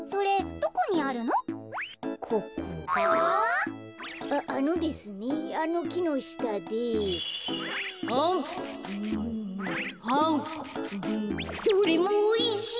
どれもおいしい！